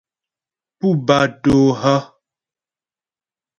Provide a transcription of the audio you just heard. Pú batô hə́ ?